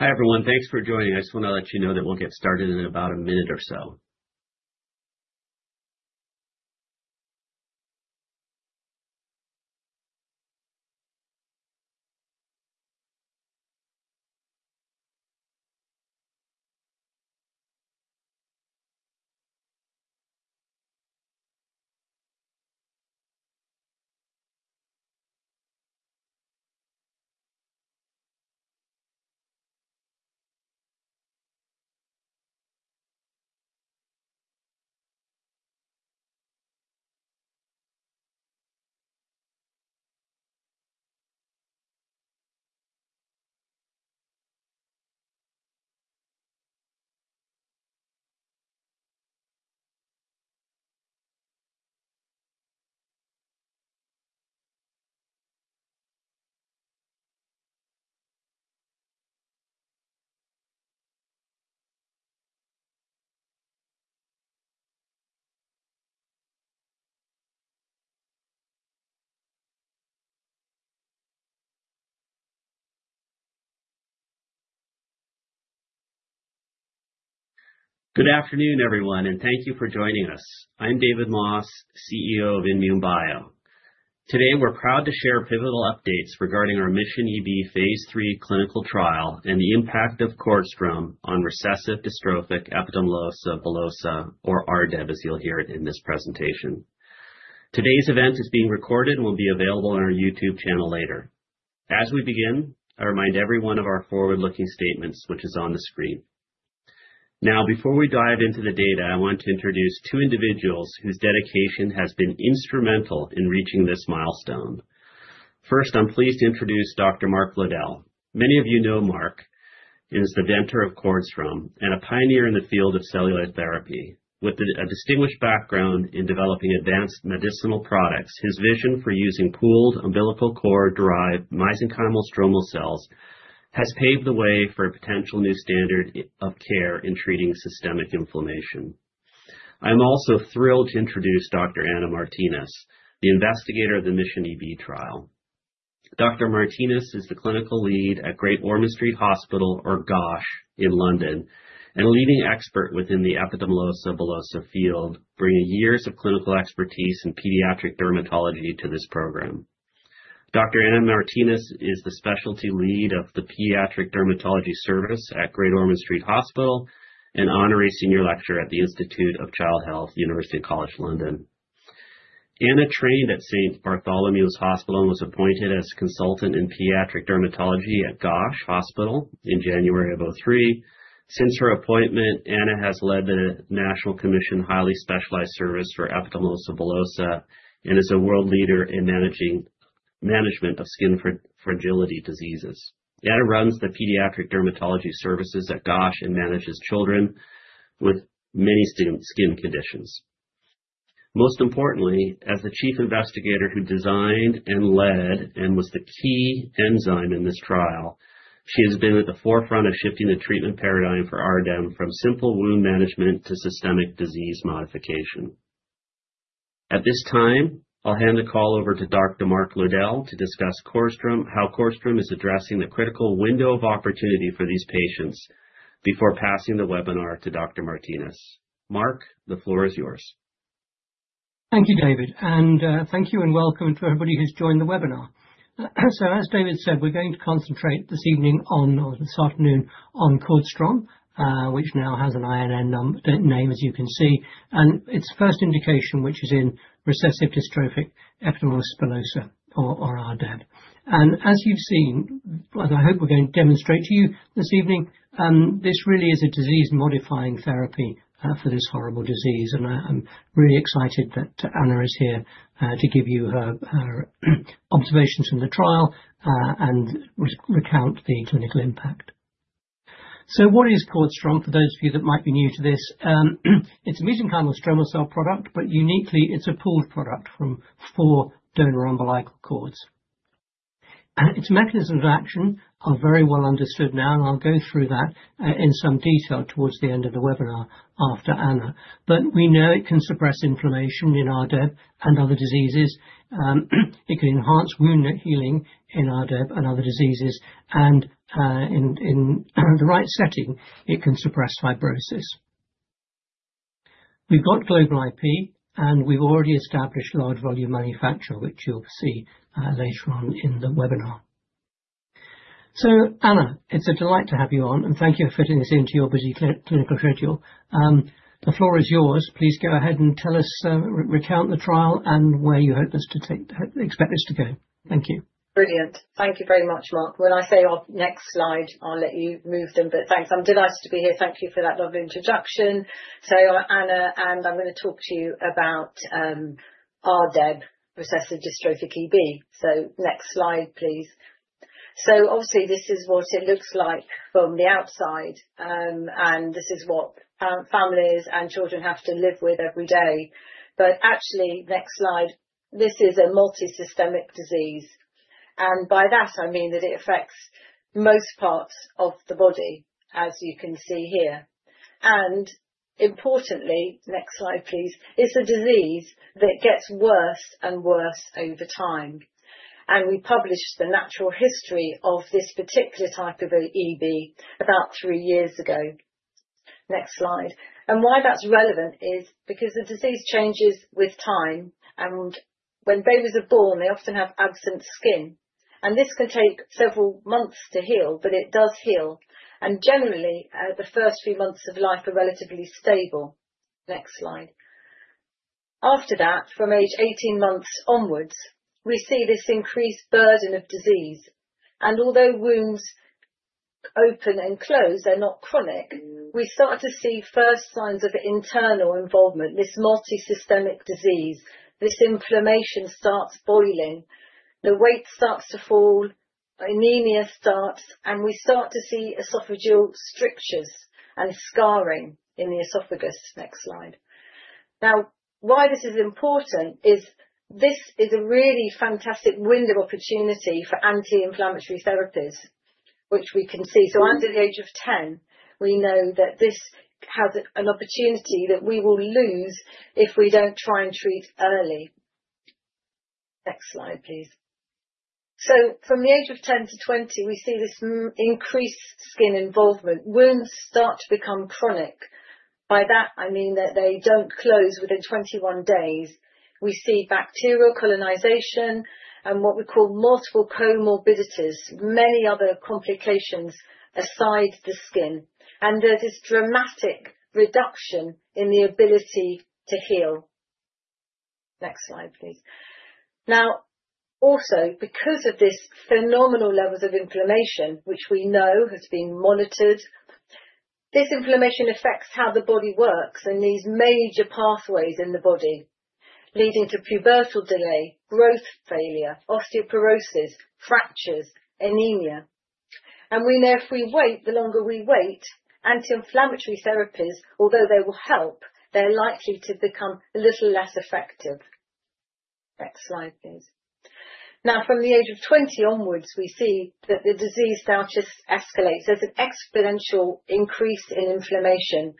Hi, everyone. Thanks for joining. I just want to let you know that we'll get started in about 1 minute or so. Good afternoon, everyone, thank you for joining us. I'm David Moss, CEO of INmune Bio. Today, we're proud to share pivotal updates regarding our Mission EB phase III clinical trial and the impact of CORDStrom on recessive dystrophic epidermolysis bullosa, or RDEB, as you'll hear it in this presentation. Today's event is being recorded and will be available on our YouTube channel later. As we begin, I remind everyone of our forward-looking statements, which is on the screen. Before we dive into the data, I want to introduce two individuals whose dedication has been instrumental in reaching this milestone. First, I'm pleased to introduce Dr. Mark Lowdell. Many of you know Mark. He is the inventor of CORDStrom and a pioneer in the field of cellular therapy. With a distinguished background in developing advanced medicinal products, his vision for using pooled umbilical cord-derived mesenchymal stromal cells has paved the way for a potential new standard of care in treating systemic inflammation. I'm also thrilled to introduce Dr. Anna Martinez, the investigator of the Mission EB trial. Dr. Martinez is the Clinical Lead at Great Ormond Street Hospital, or GOSH, in London, and a leading expert within the epidermolysis bullosa field, bringing years of clinical expertise in pediatric dermatology to this program. Dr. Anna Martinez is the specialty lead of the pediatric dermatology service at Great Ormond Street Hospital and honorary senior lecturer at the Institute of Child Health, University College London. Anna trained at St. Bartholomew's Hospital and was appointed as Consultant in pediatric dermatology at GOSH Hospital in January of 2003. Since her appointment, Anna has led the National Commission Highly Specialized Service for epidermolysis bullosa, and is a world leader in management of skin fragility diseases. Anna runs the pediatric dermatology services at GOSH and manages children with many skin conditions. Most importantly, as the Chief Investigator who designed and led and was the key enzyme in this trial, she has been at the forefront of shifting the treatment paradigm for RDEB from simple wound management to systemic disease modification. At this time, I'll hand the call over to Dr. Mark Lowdell to discuss CORDStrom, how CORDStrom is addressing the critical window of opportunity for these patients before passing the webinar to Dr. Martinez. Mark, the floor is yours. Thank you, David, and thank you and welcome to everybody who's joined the webinar. As David said, we're going to concentrate this evening on... or this afternoon, on CORDStrom, which now has an INN name, as you can see, and its first indication, which is in recessive dystrophic epidermolysis bullosa, or RDEB. As you've seen, well, I hope we're going to demonstrate to you this evening, this really is a disease-modifying therapy for this horrible disease. I'm really excited that Anna is here to give you her observations from the trial and recount the clinical impact. What is CORDStrom, for those of you that might be new to this? It's a mesenchymal stromal cell product, but uniquely, it's a pooled product from four donor umbilical cords. Its mechanisms of action are very well understood now, and I'll go through that in some detail towards the end of the webinar, after Anna. We know it can suppress inflammation in RDEB and other diseases. It can enhance wound healing in RDEB and other diseases, and in the right setting, it can suppress fibrosis. We've got global IP, and we've already established large volume manufacture, which you'll see later on in the webinar. Anna, it's a delight to have you on, and thank you for fitting this into your busy clinical schedule. The floor is yours. Please go ahead and tell us, recount the trial and where you hope this to expect this to go. Thank you. Brilliant. Thank you very much, Mark. When I say, "next slide," I'll let you move them, but thanks. I'm delighted to be here. Thank you for that lovely introduction. I'm Anna, and I'm going to talk to you about RDEB, recessive dystrophic EB. Next slide, please. Obviously, this is what it looks like from the outside, and this is what families and children have to live with every day. Actually, next slide, this is a multisystemic disease, and by that I mean that it affects most parts of the body, as you can see here. Importantly, next slide, please. It's a disease that gets worse and worse over time, and we published the natural history of this particular type of EB about three years ago. Next slide. Why that's relevant is because the disease changes with time, and when babies are born, they often have absent skin, and this can take several months to heal, but it does heal. Generally, the first few months of life are relatively stable. Next slide. After that, from age 18 months onwards, we see this increased burden of disease, and although wounds open and close, they're not chronic. We start to see first signs of internal involvement, this multisystemic disease. This inflammation starts boiling, the weight starts to fall, anemia starts, and we start to see esophageal strictures and scarring in the esophagus. Next slide. Why this is important is this is a really fantastic window of opportunity for anti-inflammatory therapies, which we can see. Under the age of 10, we know that this has an opportunity that we will lose if we don't try and treat early. Next slide, please. From the age of 10 to 20, we see this increased skin involvement. Wounds start to become chronic. By that, I mean that they don't close within 21 days. We see bacterial colonization and what we call multiple comorbidities, many other complications aside the skin, and there's this dramatic reduction in the ability to heal. Next slide, please. Now, also, because of this phenomenal levels of inflammation, which we know has been monitored, this inflammation affects how the body works in these major pathways in the body, leading to pubertal delay, growth failure, osteoporosis, fractures, anemia, and we know if we wait, the longer we wait, anti-inflammatory therapies, although they will help, they're likely to become a little less effective. Next slide, please. From the age of 20 onwards, we see that the disease now just escalates. There's an exponential increase in inflammation.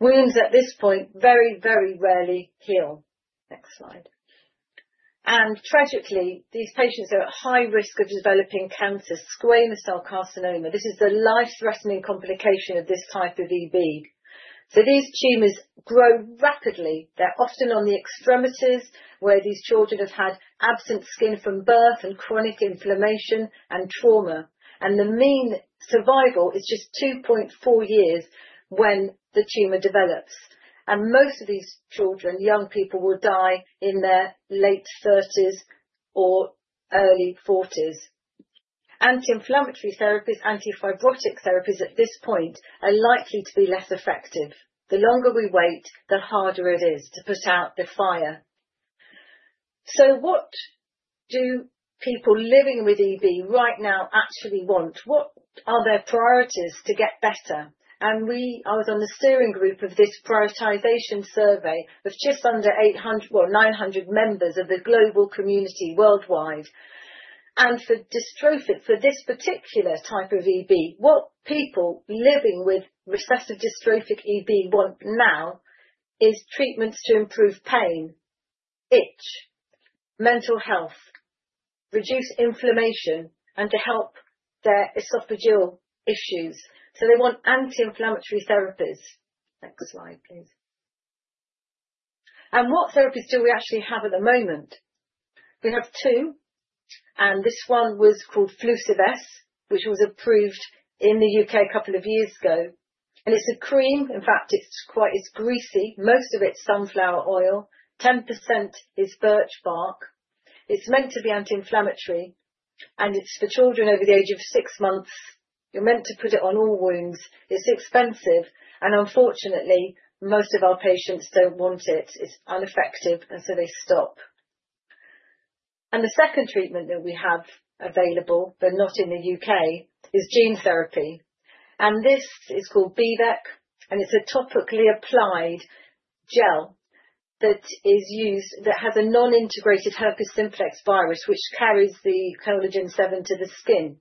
Wounds at this point, very rarely heal. Next slide. Tragically, these patients are at high risk of developing cancer, squamous cell carcinoma. This is a life-threatening complication of this type of EB. These tumors grow rapidly. They're often on the extremities, where these children have had absent skin from birth and chronic inflammation and trauma, and the mean survival is just 2.4 years when the tumor develops. Most of these children, young people, will die in their late 30s or early 40s. Anti-inflammatory therapies, anti-fibrotic therapies, at this point, are likely to be less effective. The longer we wait, the harder it is to put out the fire. What do people living with EB right now actually want? What are their priorities to get better? I was on the steering group of this prioritization survey of just under 900 members of the global community worldwide. For dystrophic, for this particular type of EB, what people living with recessive dystrophic EB want now is treatments to improve pain, itch, mental health, reduce inflammation, and to help their esophageal issues. They want anti-inflammatory therapies. Next slide, please. What therapies do we actually have at the moment? We have two, and this one was called Filsuvez, which was approved in the U.K. a couple of years ago. It's a cream, in fact, it's quite... It's greasy. Most of it's sunflower oil, 10% is birch bark. It's meant to be anti-inflammatory, and it's for children over the age of six months. You're meant to put it on all wounds. It's expensive, unfortunately, most of our patients don't want it. It's ineffective, they stop. The second treatment that we have available, but not in the U.K., is gene therapy, and this is called Vyjuvek, and it's a topically applied gel that is used that has a non-integrated herpes simplex virus, which carries the collagen VII to the skin.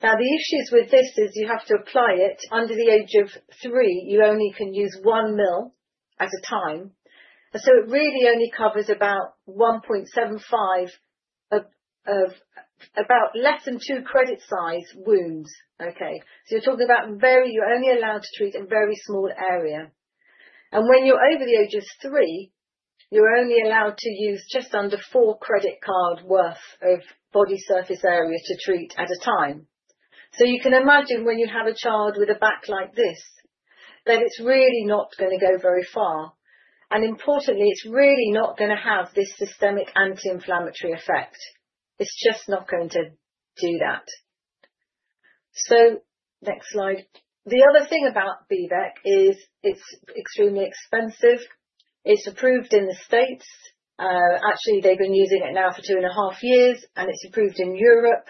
The issues with this is you have to apply it under the age of three. You only can use 1 mL at a time, and so it really only covers about 1.75 of about less than two credit-sized wounds. Okay? You're only allowed to treat a very small area. When you're over the age of three, you're only allowed to use just under four credit card worth of body surface area to treat at a time. You can imagine when you have a child with a back like this, then it's really not gonna go very far, and importantly, it's really not gonna have this systemic anti-inflammatory effect. It's just not going to do that. Next slide. The other thing about Vyjuvek is it's extremely expensive. It's approved in the States. Actually, they've been using it now for 2.5 years, and it's approved in Europe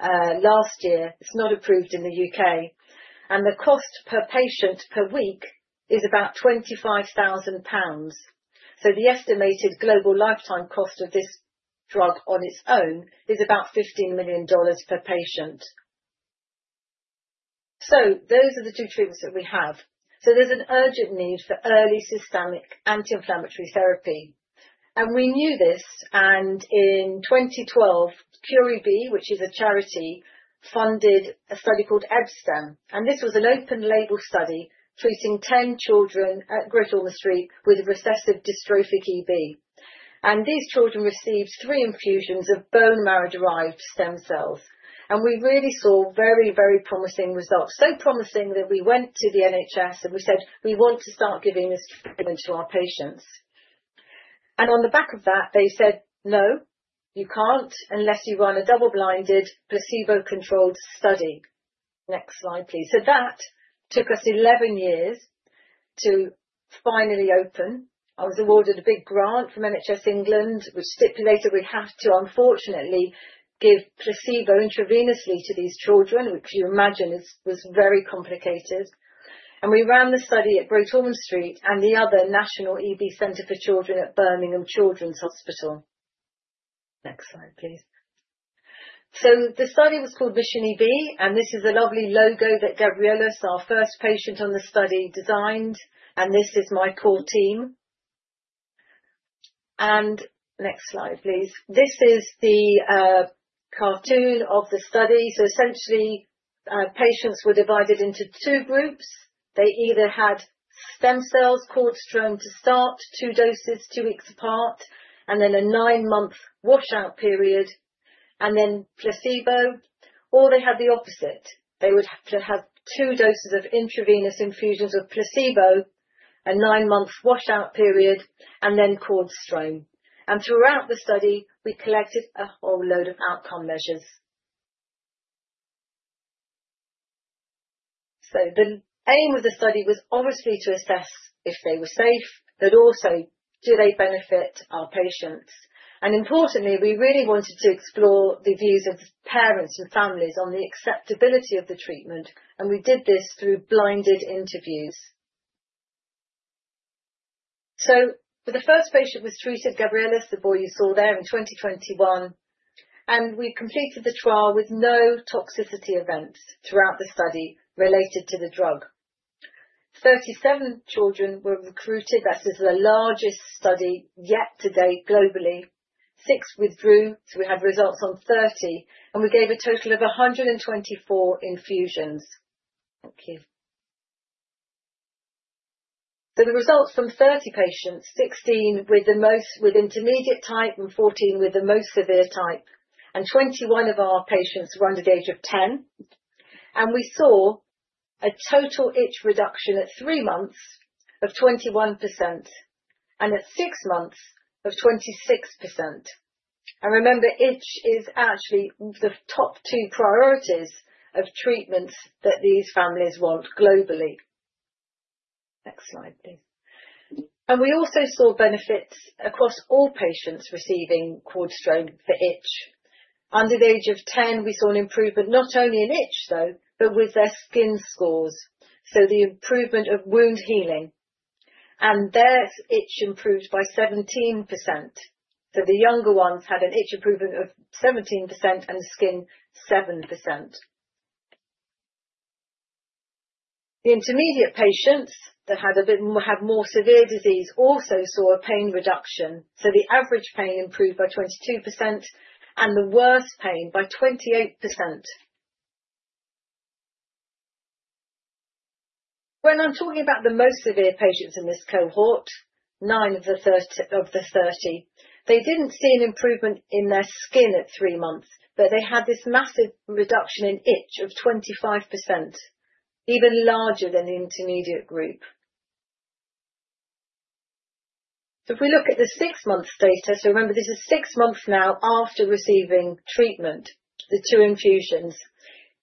last year. It's not approved in the U.K. The cost per patient per week is about 25,000 pounds. The estimated global lifetime cost of this drug on its own is about $15 million per patient. Those are the two treatments that we have. There's an urgent need for early systemic anti-inflammatory therapy. We knew this, in 2012, Cure EB, which is a charity, funded a study called EB-STEM, and this was an open-label study treating 10 children at Great Ormond Street with recessive dystrophic EB. These children received three infusions of bone marrow-derived stem cells, and we really saw very promising results. Promising that we went to the NHS, and we said, "We want to start giving this treatment to our patients." On the back of that, they said, "No, you can't unless you run a double-blinded, placebo-controlled study." Next slide, please. That took us 11 years to finally open. I was awarded a big grant from NHS England, which stipulated we had to, unfortunately, give placebo intravenously to these children, which you imagine was very complicated. We ran the study at Great Ormond Street and the other National EB Center for Children at Birmingham Children's Hospital. Next slide, please. The study was called Mission EB, and this is a lovely logo that Gabrielus, our first patient on the study, designed, and this is my core team. Next slide, please. This is the cartoon of the study. Essentially, patients were divided into two groups. They either had stem cells, CORDStrom, to start, two doses, two weeks apart, and then a nine-month washout period, and then placebo, or they had the opposite. They would have to have two doses of intravenous infusions of placebo, a nine-month washout period, and then CORDStrom. Throughout the study, we collected a whole load of outcome measures. The aim of the study was obviously to assess if they were safe, but also do they benefit our patients? Importantly, we really wanted to explore the views of the parents and families on the acceptability of the treatment, and we did this through blinded interviews. The first patient was treated, Gabrielus, the boy you saw there in 2021, and we completed the trial with no toxicity events throughout the study related to the drug. 37 children were recruited. This is the largest study yet to date, globally. Six withdrew, so we have results on 30, and we gave a total of 124 infusions. Thank you. The results from 30 patients, 16 with intermediate type and 14 with the most severe type, 21 of our patients were under the age of 10, we saw a total itch reduction at three months of 21% and at six months of 26%. Remember, itch is actually the top two priorities of treatments that these families want globally. Next slide, please. We also saw benefits across all patients receiving CORDStrom for itch. Under the age of 10, we saw an improvement not only in itch, though, but with their skin scores, so the improvement of wound healing. Their itch improved by 17%. The younger ones had an itch improvement of 17% and skin, 7%. The intermediate patients that had more severe disease also saw a pain reduction. The average pain improved by 22% and the worst pain by 28%. When I'm talking about the most severe patients in this cohort, nine of the 30, they didn't see an improvement in their skin at three months, but they had this massive reduction in itch of 25%, even larger than the intermediate group. If we look at the six-month data, remember, this is six months now after receiving treatment, the two infusions.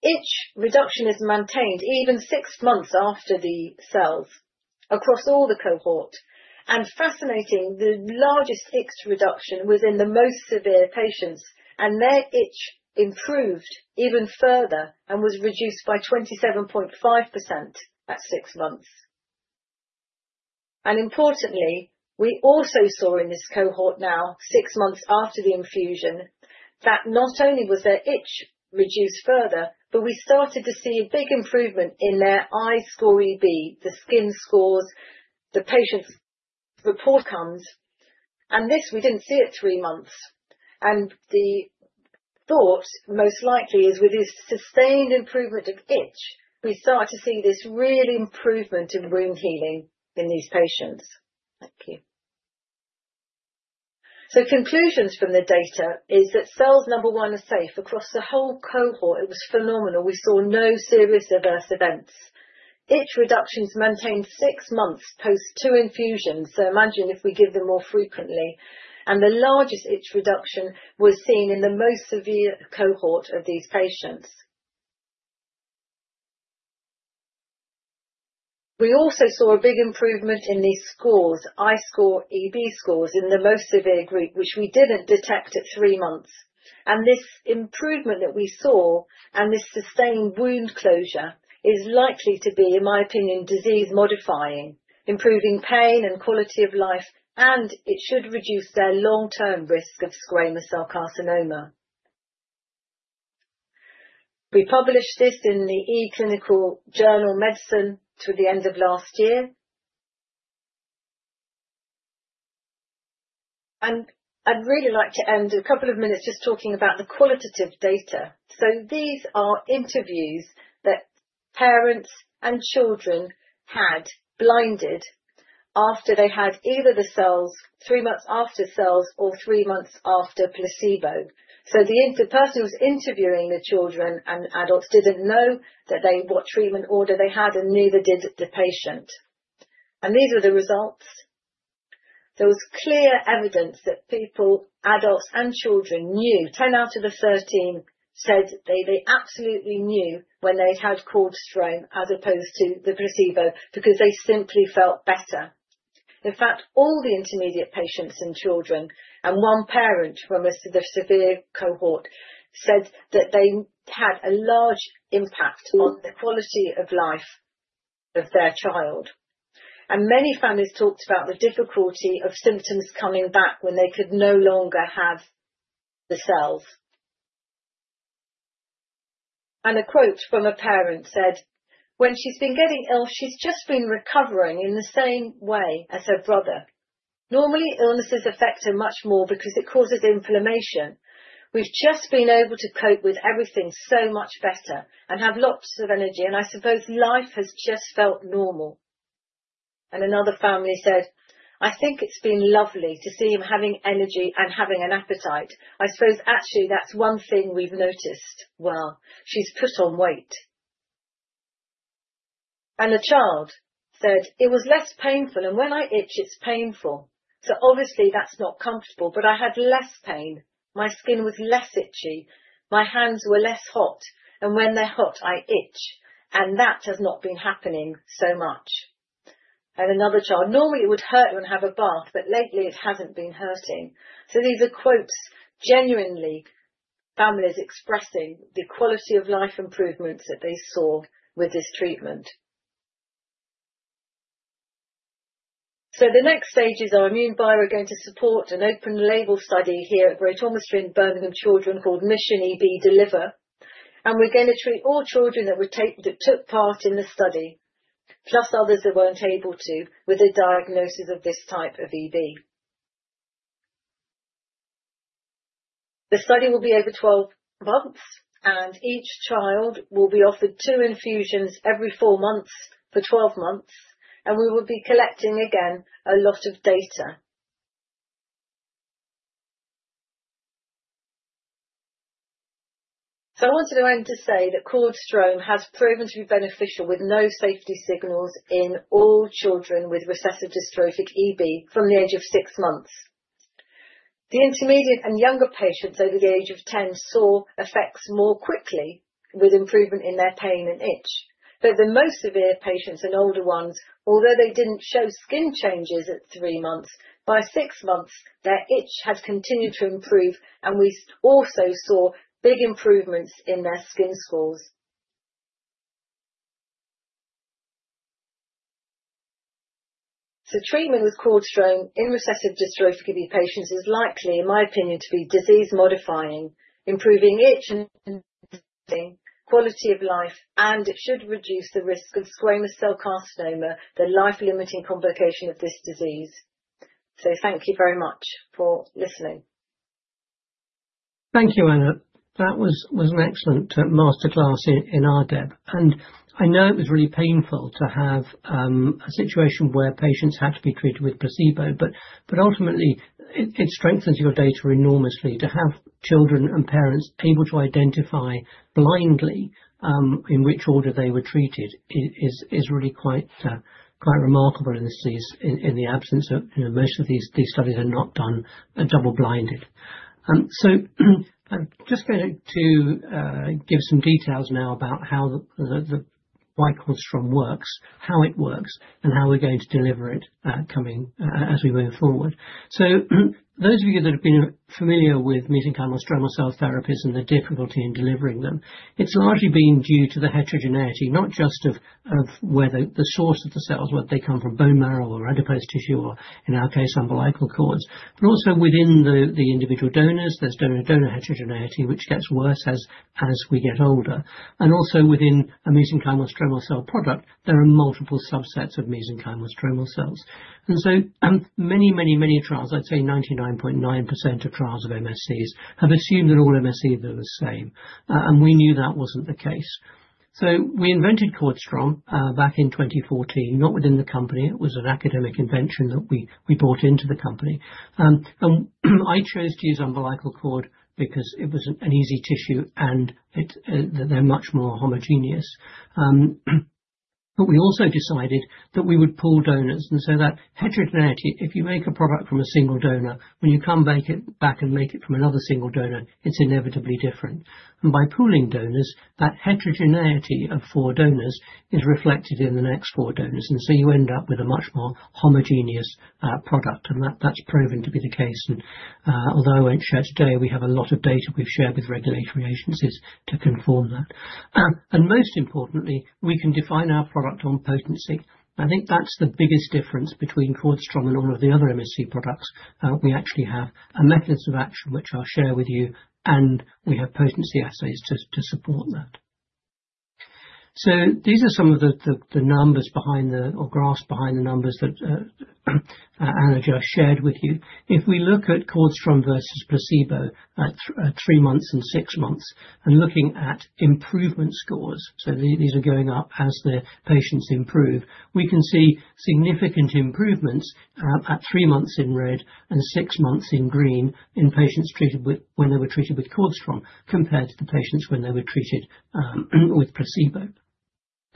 Itch reduction is maintained even six months after the cells across all the cohort, and fascinating, the largest itch reduction was in the most severe patients, and their itch improved even further and was reduced by 27.5% at six months. Importantly, we also saw in this cohort now, six months after the infusion, that not only was their itch reduced further, but we started to see a big improvement in their iScore-EB, the skin scores, the patient's report comes, and this, we didn't see at three months. The thought, most likely, is with this sustained improvement of itch, we start to see this real improvement in wound healing in these patients. Thank you. Conclusions from the data is that cells, number one, are safe across the whole cohort. It was phenomenal. We saw no serious adverse events. Itch reductions maintained six months post two infusions. Imagine if we give them more frequently. The largest itch reduction was seen in the most severe cohort of these patients. We also saw a big improvement in these scores, iScore-EB scores, in the most severe group, which we didn't detect at three months. This improvement that we saw and this sustained wound closure is likely to be, in my opinion, disease-modifying, improving pain and quality of life, and it should reduce their long-term risk of squamous cell carcinoma. We published this in the eClinicalMedicine toward the end of last year. I'd really like to end a couple of minutes just talking about the qualitative data. These are interviews that parents and children had, blinded, after they had either the cells three months after cells or three months after placebo. The inter-person who was interviewing the children and adults didn't know what treatment order they had, and neither did the patient. These are the results. There was clear evidence that people, adults, and children knew. 10 out of the 13 said they absolutely knew when they had CORDStrom as opposed to the placebo, because they simply felt better. In fact, all the intermediate patients and children, and one parent from the severe cohort, said that they had a large impact on the quality of life of their child. Many families talked about the difficulty of symptoms coming back when they could no longer have the cells. A quote from a parent said, "When she's been getting ill, she's just been recovering in the same way as her brother. Normally, illnesses affect her much more because it causes inflammation. We've just been able to cope with everything so much better and have lots of energy, and I suppose life has just felt normal." Another family said, "I think it's been lovely to see him having energy and having an appetite. I suppose actually, that's one thing we've noticed. Well, she's put on weight." A child said, "It was less painful, and when I itch, it's painful, so obviously, that's not comfortable, but I had less pain. My skin was less itchy, my hands were less hot, and when they're hot, I itch, and that has not been happening so much." Another child: "Normally, it would hurt when I have a bath, but lately, it hasn't been hurting." These are quotes, genuinely, families expressing the quality of life improvements that they saw with this treatment. The next stage is INmune Bio are going to support an open label study here at Great Ormond Street Hospital and Birmingham Children called Mission EB Deliver, and we're gonna treat all children that took part in the study, plus others that weren't able to, with a diagnosis of this type of EB. The study will be over 12 months, and each child will be offered two infusions every four months for 12 months, and we will be collecting, again, a lot of data. I wanted to end to say that CORDStrom has proven to be beneficial with no safety signals in all children with Recessive Dystrophic Epidermolysis Bullosa from the age of six months. The intermediate and younger patients over the age of 10 saw effects more quickly, with improvement in their pain and itch. The most severe patients and older ones, although they didn't show skin changes at three months, by six months, their itch had continued to improve, and we also saw big improvements in their skin scores. Treatment with CORDStrom in recessive dystrophic EB patients is likely, in my opinion, to be disease-modifying, improving itch and quality of life, and it should reduce the risk of squamous cell carcinoma, the life-limiting complication of this disease. Thank you very much for listening. Thank you, Anna. That was an excellent masterclass in RDEB. I know it was really painful to have a situation where patients had to be treated with placebo, but ultimately, it strengthens your data enormously. To have children and parents able to identify blindly in which order they were treated is really quite remarkable in this disease, in the absence of. You know, most of these studies are not done and double-blinded. I'm just going to give some details now about how the why CORDStrom works, how it works, and how we're going to deliver it coming as we move forward. Those of you that have been familiar with mesenchymal stromal cell therapies and the difficulty in delivering them, it's largely been due to the heterogeneity, not just of where the source of the cells, whether they come from bone marrow or adipose tissue or, in our case, umbilical cords, but also within the individual donors. There's donor heterogeneity, which gets worse as we get older, and also within a mesenchymal stromal cell product, there are multiple subsets of mesenchymal stromal cells. Many trials, I'd say 99.9% of trials of MSCs, have assumed that all MSCs are the same, and we knew that wasn't the case. We invented CORDStrom back in 2014, not within the company. It was an academic invention that we brought into the company. I chose to use umbilical cord because it was an easy tissue, and they're much more homogeneous. We also decided that we would pool donors, and so that heterogeneity, if you make a product from a single donor, when you come back and make it from another single donor, it's inevitably different. By pooling donors, that heterogeneity of four donors is reflected in the next four donors, and so you end up with a much more homogeneous product, and that's proven to be the case, although I won't share today, we have a lot of data we've shared with regulatory agencies to confirm that. Most importantly, we can define our product on potency. I think that's the biggest difference between CORDStrom and all of the other MSC products. We actually have a mechanism of action, which I'll share with you. We have potency assays to support that. These are some of the graphs behind the numbers that Anna just shared with you. If we look at CORDStrom versus placebo at three months and six months, and looking at improvement scores. These are going up as the patients improve. We can see significant improvements at three months in red and six months in green, in patients when they were treated with CORDStrom compared to the patients when they were treated with placebo.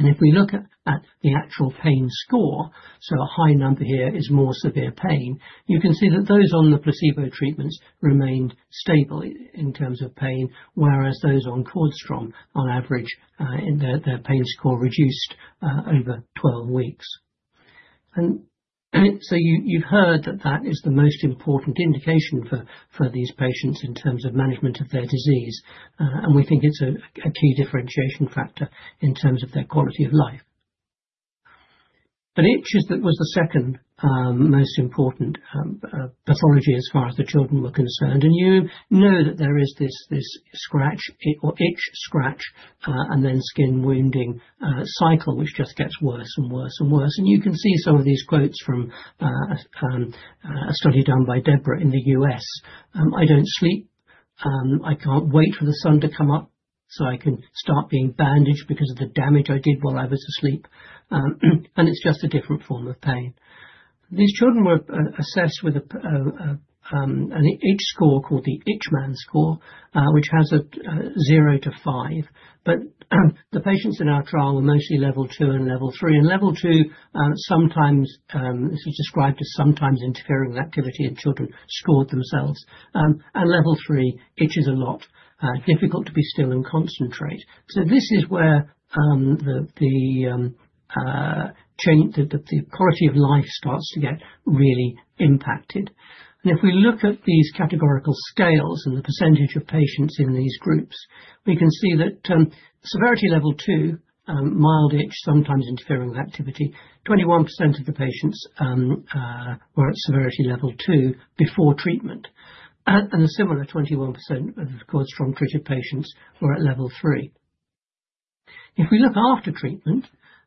If we look at the actual pain score, so a high number here is more severe pain, you can see that those on the placebo treatments remained stable in terms of pain, whereas those on CORDStrom, on average, in their pain score reduced over 12 weeks. So you heard that is the most important indication for these patients in terms of management of their disease. We think it's a key differentiation factor in terms of their quality of life. Itch is the second most important pathology as far as the children were concerned, and you know that there is this scratch or itch scratch and then skin wounding cycle, which just gets worse and worse and worse. You can see some of these quotes from a study done by Deborah in the U.S. "I don't sleep, I can't wait for the sun to come up, so I can start being bandaged because of the damage I did while I was asleep." "And it's just a different form of pain." These children were assessed with an itch score called the ItchMan score, which has a zero to five. The patients in our trial were mostly level two and level three. In level two, sometimes this is described as sometimes interfering with activity, and children scored themselves. Level three, itches a lot, difficult to be still and concentrate. This is where the change, the quality of life starts to get really impacted. If we look at these categorical scales and the percentage of patients in these groups, we can see that severity level two, mild itch, sometimes interfering with activity, 21% of the patients were at severity level two before treatment. A similar 21% of the CORDStrom-treated patients were at level three. If we look after treatment,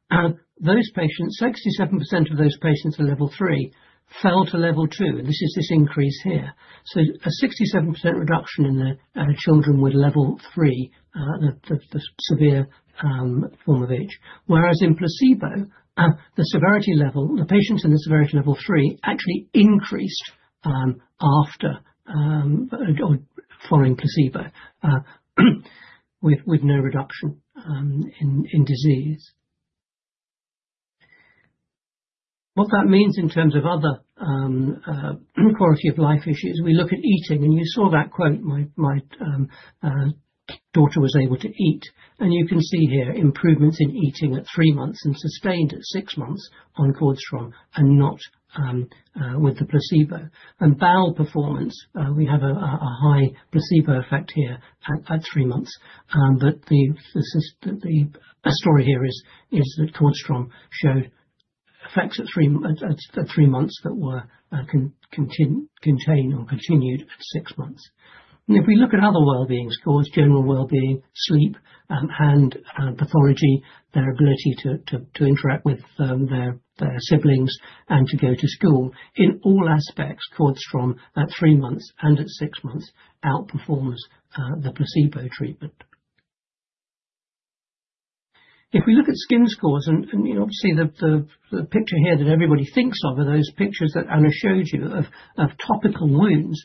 those patients, 67% of those patients at level three, fell to level two, and this is this increase here. A 67% reduction in the children with level three, the severe form of itch. In placebo, the severity level, the patients in the severity level three, actually increased after or following placebo with no reduction in disease. What that means in terms of other quality of life issues, we look at eating, and you saw that quote, "My daughter was able to eat." You can see here improvements in eating at three months and sustained at six months on CORDStrom and not with the placebo. Bowel performance, we have a high placebo effect here at three months. The story here is that CORDStrom showed effects at three months that were continued for six months. If we look at other well-being scores, general well-being, sleep, and pathology, their ability to interact with their siblings and to go to school, in all aspects, CORDStrom at three months and at six months, outperforms the placebo treatment. If we look at skin scores, and, you know, obviously the picture here that everybody thinks of are those pictures that Anna showed you of topical wounds.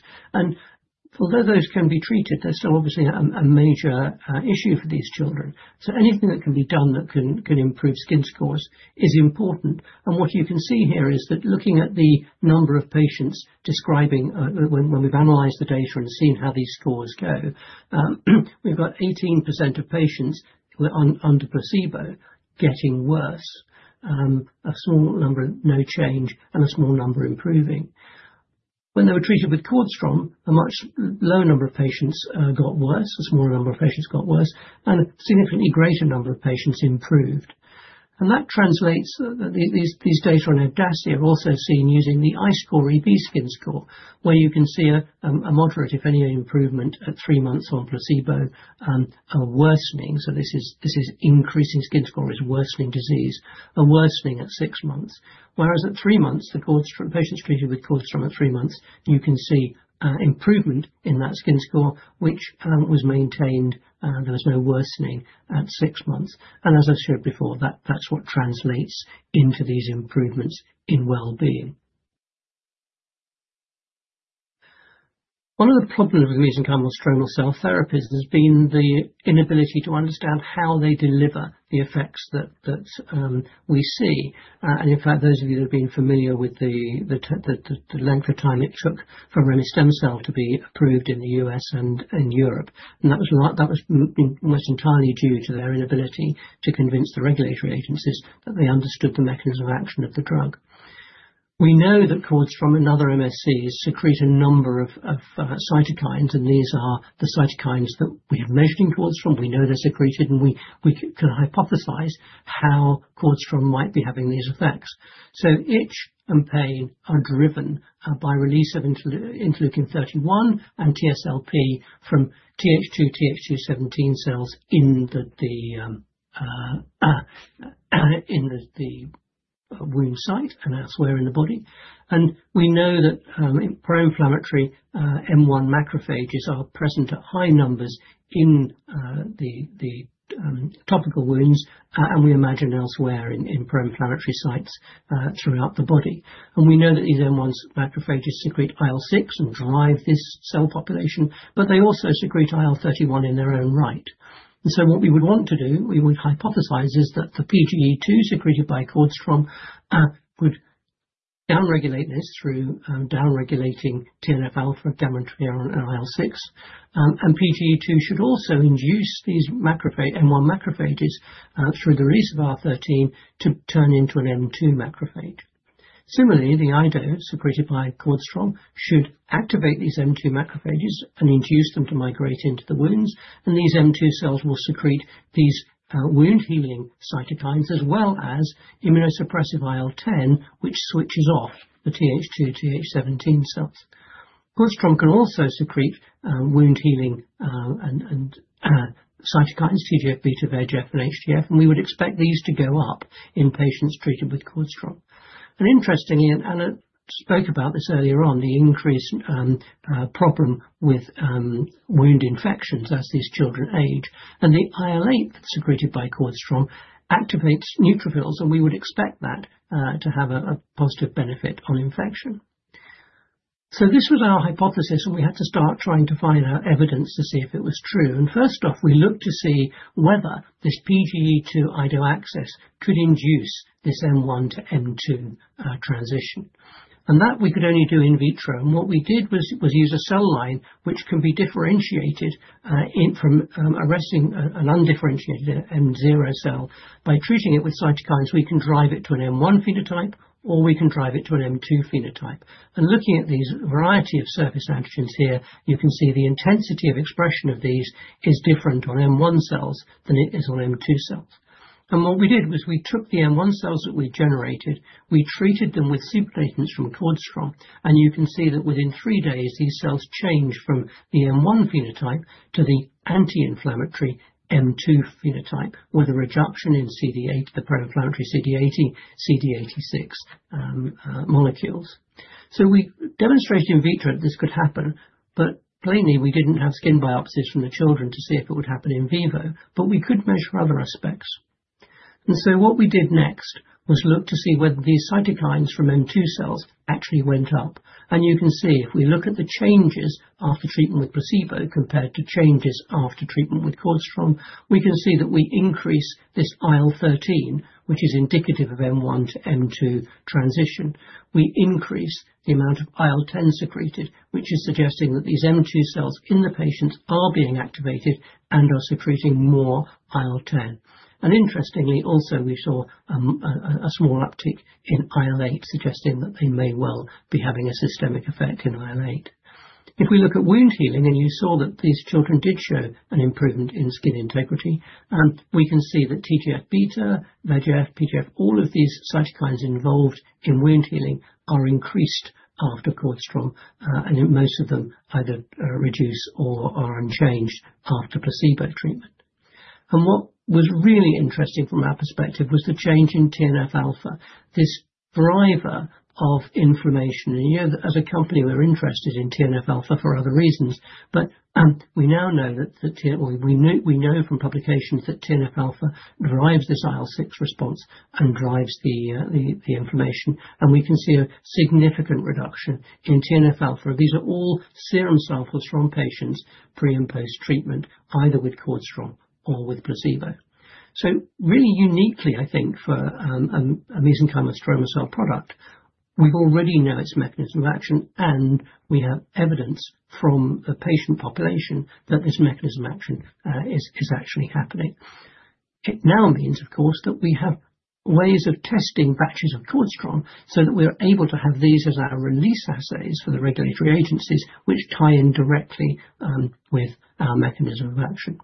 Although those can be treated, they're still obviously a major issue for these children. Anything that can be done that can improve skin scores is important. What you can see here is that looking at the number of patients describing, when we've analyzed the data and seen how these scores go, we've got 18% of patients who are on, under placebo getting worse, a small number, no change, and a small number improving. When they were treated with CORDStrom, a much lower number of patients got worse, a smaller number of patients got worse, and a significantly greater number of patients improved. That translates that these data on EBDASI are also seen using the iScore-EB skin score, where you can see a moderate, if any, improvement at three months on placebo, worsening. This is increasing skin score, is worsening disease, and worsening at six months. Whereas at three months, patients treated with CORDStrom at three months, you can see, improvement in that skin score, which was maintained, and there was no worsening at six months. As I showed before, that's what translates into these improvements in well-being. One of the problems with using mesenchymal stromal cell therapies has been the inability to understand how they deliver the effects that we see. In fact, those of you who have been familiar with the length of time it took for remestemcel-L to be approved in the U.S. and in Europe, and that was most entirely due to their inability to convince the regulatory agencies that they understood the mechanism of action of the drug. We know that CORDStrom and other MSCs secrete a number of cytokines. These are the cytokines that we have measured in CORDStrom. We know they're secreted. We can hypothesize how CORDStrom might be having these effects. Itch and pain are driven by release of interleukin 31 and TSLP from TH2 17 cells in the wound site and elsewhere in the body. We know that pro-inflammatory M1 macrophages are present at high numbers in the topical wounds, and we imagine elsewhere in pro-inflammatory sites throughout the body. We know that these M1 macrophages secrete IL-6 and drive this cell population. They also secrete IL-31 in their own right. What we would want to do, we would hypothesize, is that the PGE2 secreted by CORDStrom would down-regulate this through down-regulating TNF-alpha, gamma and IL-6. PGE2 should also induce these M1 macrophages through the release of IL-13 to turn into an M2 macrophage. Similarly, the IDO secreted by CORDStrom should activate these M2 macrophages and induce them to migrate into the wounds, and these M2 cells will secrete these wound-healing cytokines, as well as immunosuppressive IL-10, which switches off the TH2/TH17 cells. CORDStrom can also secrete wound healing cytokines, TGF-beta, VEGF, and HGF, and we would expect these to go up in patients treated with CORDStrom. Interestingly, I spoke about this earlier on, the increase problem with wound infections as these children age. The IL-8 secreted by CORDStrom activates neutrophils, and we would expect that to have a positive benefit on infection. This was our hypothesis, and we had to start trying to find out evidence to see if it was true. First off, we looked to see whether this PGE2 IDO access could induce this M1 to M2 transition, and that we could only do in vitro. What we did was use a cell line which can be differentiated in from arresting an undifferentiated M0 cell. By treating it with cytokines, we can drive it to an M1 phenotype, or we can drive it to an an M2 phenotype. Looking at these variety of surface antigens here, you can see the intensity of expression of these is different on M1 cells than it is on M2 cells. What we did was we took the M1 macrophages that we generated, we treated them with supernatants from CORDStrom, and you can see that within three days, these cells change from the M1 macrophage to the anti-inflammatory M2 macrophage, with a reduction in CD80, the pro-inflammatory CD80, CD86 molecules. We demonstrated in vitro that this could happen, but plainly, we didn't have skin biopsies from the children to see if it would happen in vivo, but we could measure other aspects. What we did next was look to see whether these cytokines from M2 macrophages actually went up. You can see, if we look at the changes after treatment with placebo, compared to changes after treatment with CORDStrom, we can see that we increase this IL-13, which is indicative of M1 to M2 transition. We increase the amount of IL-10 secreted, which is suggesting that these M2 cells in the patients are being activated and are secreting more IL-10. Interestingly, also, we saw a small uptick in IL-8, suggesting that they may well be having a systemic effect in IL-8. If we look at wound healing, and you saw that these children did show an improvement in skin integrity, we can see that TGF-beta, VEGF, TGF, all of these cytokines involved in wound healing are increased after CORDStrom, and in most of them, either reduced or are unchanged after placebo treatment. What was really interesting from our perspective was the change in TNF-alpha, this driver of inflammation. You know that as a company, we're interested in TNF-alpha for other reasons, we now know that. We know from publications that TNF-alpha drives this IL-6 response and drives the inflammation, and we can see a significant reduction in TNF-alpha. These are all serum samples from patients pre- and post-treatment, either with CORDStrom or with placebo. Really uniquely, I think for this umbilical stromal cell product, we already know its mechanism of action, and we have evidence from the patient population that this mechanism of action is actually happening. It now means, of course, that we have ways of testing batches of CORDStrom so that we're able to have these as our release assays for the regulatory agencies, which tie in directly with our mechanism of action.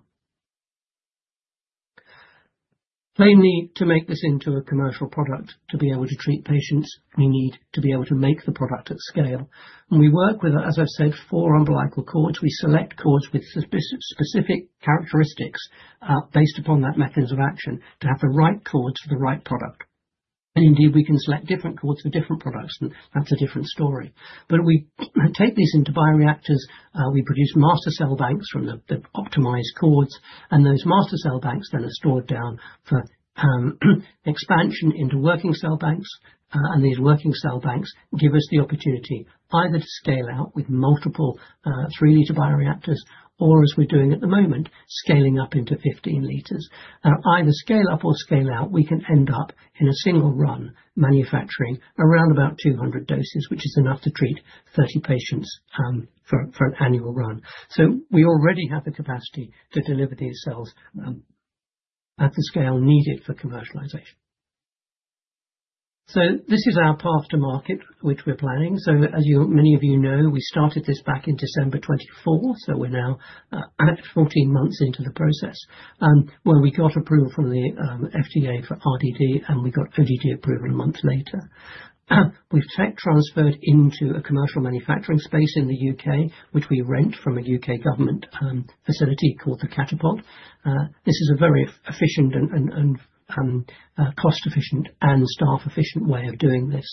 They need to make this into a commercial product to be able to treat patients. We need to be able to make the product at scale. We work with, as I've said, four umbilical cords. We select cords with specific characteristics, based upon that mechanism of action, to have the right cords for the right product. Indeed, we can select different cords for different products, and that's a different story. We take these into bioreactors, we produce master cell banks from the optimized cords, and those master cell banks then are stored down for expansion into working cell banks. These working cell banks give us the opportunity either to scale out with multiple three-liter bioreactors or, as we're doing at the moment, scaling up into 15 liters. Either scale up or scale out, we can end up in a single run, manufacturing around about 200 doses, which is enough to treat 30 patients for an annual run. We already have the capacity to deliver these cells at the scale needed for commercialization. This is our path to market, which we're planning. As you, many of you know, we started this back in December 24th, we're now about 14 months into the process, where we got approval from the FDA for RPDD, and we got RPDD approval a month later. We've tech transferred into a commercial manufacturing space in the U.K., which we rent from a U.K. government facility called the Catapult. This is a very efficient and cost-efficient and staff-efficient way of doing this.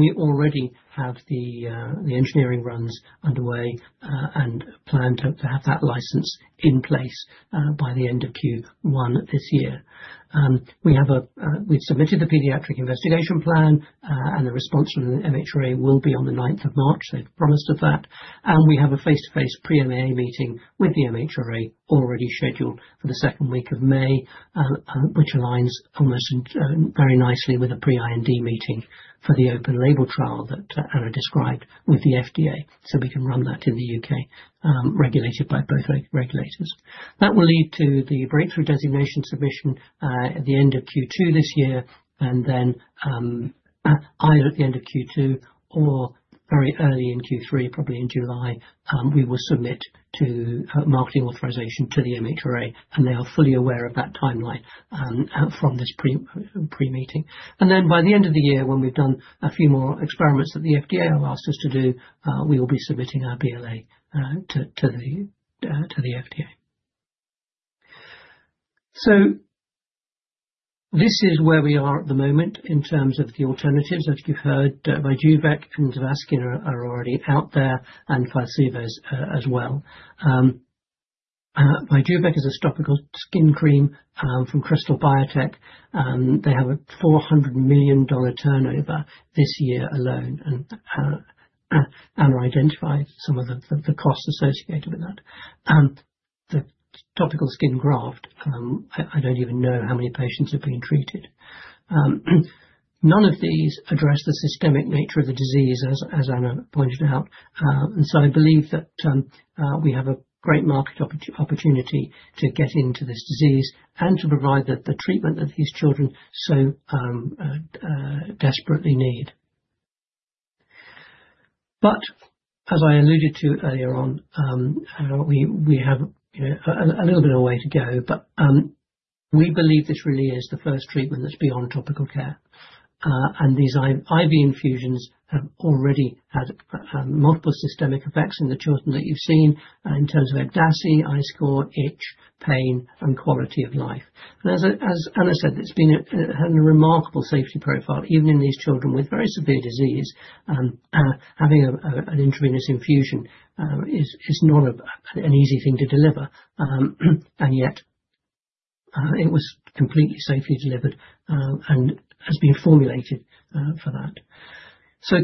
We already have the engineering runs underway, and plan to have that license in place by the end of Q1 this year. We have a... We've submitted the Paediatric Investigation Plan. The response from the MHRA will be on the 9th of March. They've promised us that. We have a face-to-face pre-MAA meeting with the MHRA already scheduled for the second week of May, which aligns almost very nicely with a pre-IND meeting for the open label trial that Anna described with the FDA. We can run that in the U.K., regulated by both re-regulators. That will lead to the Breakthrough designation submission at the end of Q2 this year. Then, either at the end of Q2 or very early in Q3, probably in July, we will submit marketing authorization to the MHRA, and they are fully aware of that timeline from this pre-meeting. By the end of the year, when we've done a few more experiments that the FDA have asked us to do, we will be submitting our BLA to the FDA. This is where we are at the moment in terms of the alternatives. As you've heard, Vyjuvek and [Endovascine] are already out there and placebos as well. Vyjuvek is a topical skin cream from Krystal Biotech, and they have a $400 million turnover this year alone, and Anna identified some of the costs associated with that. The topical skin graft, I don't even know how many patients have been treated. None of these address the systemic nature of the disease, as Anna pointed out. I believe that we have a great market opportunity to get into this disease and to provide the treatment of these children so desperately need. As I alluded to earlier on, we have a little bit of a way to go, but we believe this really is the first treatment that's beyond topical care. These IV infusions have already had multiple systemic effects in the children that you've seen in terms of EBDASI, iScore-EB, itch, pain, and quality of life. As Anna said, it's been a remarkable safety profile, even in these children with very severe disease. Having an intravenous infusion is not an easy thing to deliver, and yet it was completely safely delivered and has been formulated for that.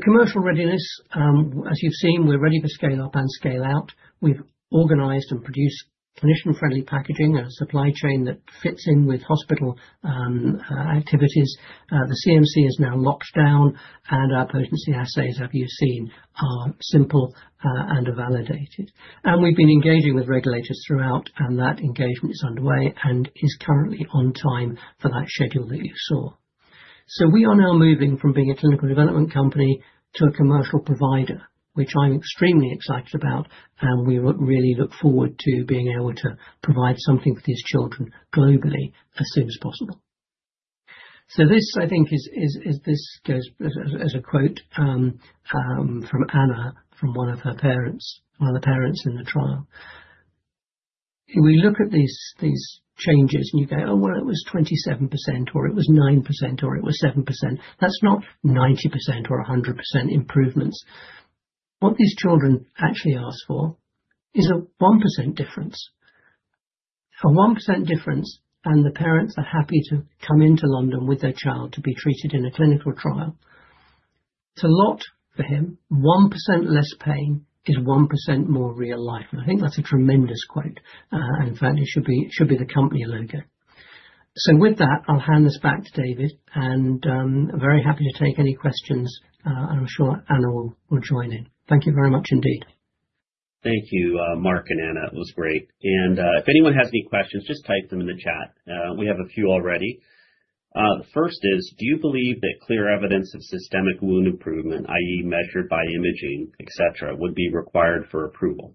Commercial readiness, as you've seen, we're ready to scale up and scale out. We've organized and produced clinician-friendly packaging and a supply chain that fits in with hospital activities. The CMC is now locked down, and our potency assays, as you've seen, are simple and are validated. We've been engaging with regulators throughout, and that engagement is underway and is currently on time for that schedule that you saw. We are now moving from being a clinical development company to a commercial provider, which I'm extremely excited about, and we really look forward to being able to provide something for these children globally as soon as possible. This, I think, is. This goes as a quote from Anna, from one of her parents, one of the parents in the trial. "We look at these changes, and you go, 'Oh, well, it was 27%, or it was 9%, or it was 7%.' That's not 90% or 100% improvements. What these children actually ask for is a 1% difference. A 1% difference, and the parents are happy to come into London with their child to be treated in a clinical trial. It's a lot for him. 1% less pain is 1% more real life." I think that's a tremendous quote, and in fact, it should be the company logo. With that, I'll hand this back to David, and very happy to take any questions, and I'm sure Anna will join in. Thank you very much indeed. Thank you, Mark and Anna. It was great. If anyone has any questions, just type them in the chat. We have a few already. The first is: Do you believe that clear evidence of systemic wound improvement, i.e., measured by imaging, et cetera, would be required for approval?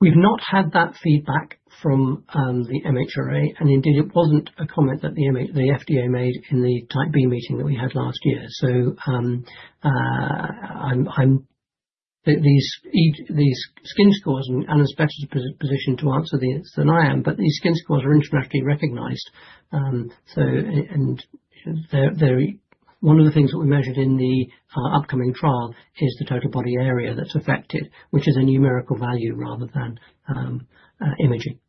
We've not had that feedback from the MHRA, and indeed, it wasn't a comment that the FDA made in the Type B meeting that we had last year. These skin scores, and Anna's better position to answer this than I am, but these skin scores are internationally recognized. And they're One of the things that we measured in the upcoming trial is the total body area that's affected, which is a numerical value rather than imaging.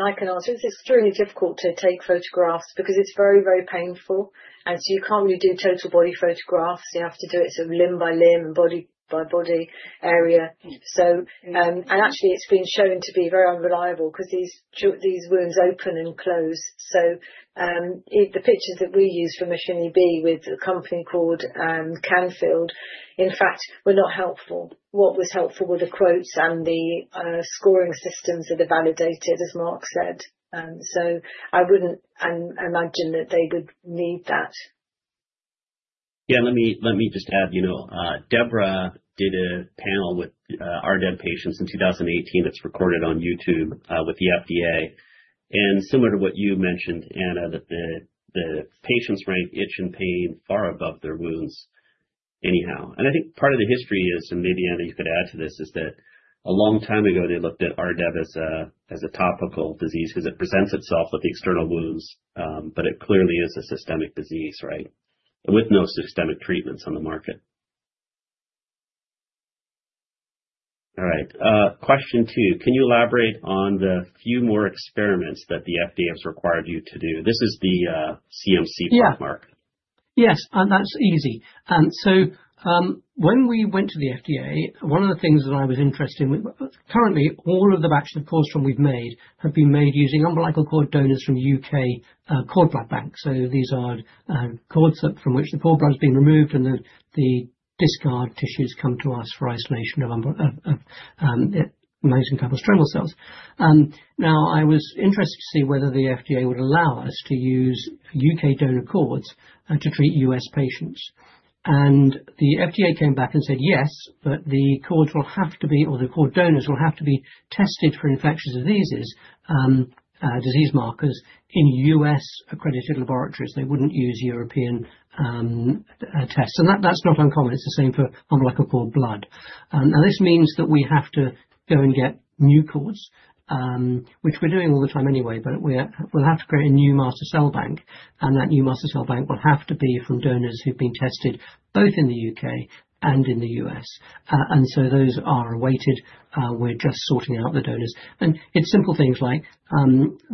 I can answer. It's extremely difficult to take photographs because it's very, very painful. You can't really do total body photographs. You have to do it sort of limb by limb, body by body area. Actually, it's been shown to be very unreliable because these wounds open and close. The pictures that we used from Mission EB with a company called Canfield, in fact, were not helpful. What was helpful were the quotes and the scoring systems that are validated, as Mark said. I wouldn't imagine that they would need that. Yeah, let me just add, you know, Deborah did a panel with RDEB patients in 2018, it's recorded on YouTube with the FDA. Similar to what you mentioned, Anna, that the patients rank itch and pain far above their wounds anyhow. I think part of the history is, and maybe, Anna, you could add to this, is that a long time ago, they looked at RDEB as a topical disease because it presents itself with the external wounds, but it clearly is a systemic disease, right? With no systemic treatments on the market. All right. Question two: Can you elaborate on the few more experiments that the FDA has required you to do? This is the CMC part, Mark. Yeah. Yes, and that's easy. When we went to the FDA, one of the things that I was interested in, currently, all of the batches of CORDStrom we've made have been made using umbilical cord donors from U.K. cord blood bank. These are cords from which the cord blood has been removed, and the discard tissues come to us for isolation of mesenchymal stromal cells. Now, I was interested to see whether the FDA would allow us to use U.K. donor cords to treat U.S. patients. The FDA came back and said, "Yes, but the cord donors will have to be tested for infectious diseases, disease markers in U.S. accredited laboratories." They wouldn't use European tests. That's not uncommon. It's the same for umbilical cord blood. Now, this means that we have to go and get new cords, which we're doing all the time anyway, but we'll have to create a new master cell bank, and that new master cell bank will have to be from donors who've been tested both in the U.K. and in the U.S. Those are awaited. We're just sorting out the donors. It's simple things like,